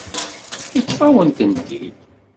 Yeṭṭef-awen-tent-id.